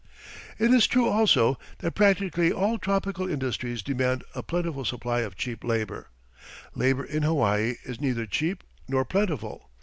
It is true, also, that practically all tropical industries demand a plentiful supply of cheap labour. Labour in Hawaii is neither cheap nor plentiful.